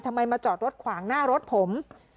ทำไมมาจอดรถขวางหน้ารถผม